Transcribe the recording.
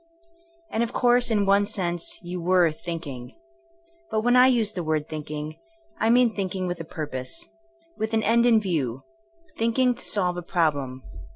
... And of course, in one sense you were * thinking.'* But when I use the word thinking, I mean thinking with a purpose, with an end in view, thinking to solve a problem.